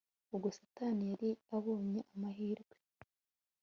Ubwo Satani yari abonye amahirwe